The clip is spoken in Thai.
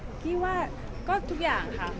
น้ำหนังกระโดงเราจะเล่นต่อไหมคะหรือว่าเราไม่เล่นต่อ